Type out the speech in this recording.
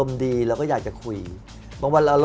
แมทโอปอล์